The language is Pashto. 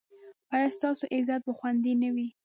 ایا ستاسو عزت به خوندي نه وي؟